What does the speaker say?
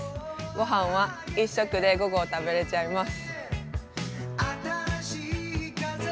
御飯は１食で５合食べれちゃいます。